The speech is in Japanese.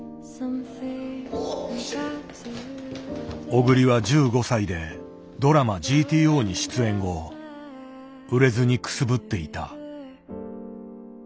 小栗は１５歳でドラマ「ＧＴＯ」に出演後売れずにくすぶっていた。